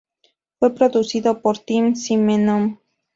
Fue producido por Tim Simenon.